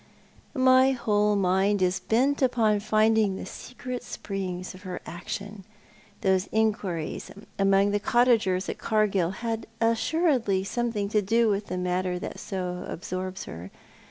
My whole mind is bent upon finding the secret springs of her action. Those inquiries among the cottagers at Cargill had assuredly some thing to do with the matter that so absorbs her.